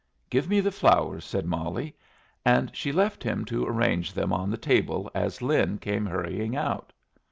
"Give me the flowers," said Molly. And she left him to arrange them on the table as Lin came hurrying out.